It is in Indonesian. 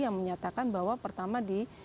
yang menyatakan bahwa pertama di